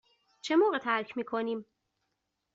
چه موقع ترک می کنیم؟